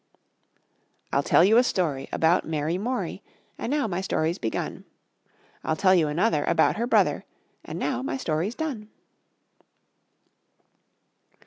I'll tell you a story About Mary Morey, And now my story's begun. I'll tell you another About her brother, And now my story's done.